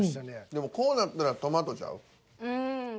でもこうなったらトマトちゃう？